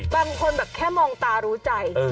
บางคนแบบแค่มองตารู้ใจ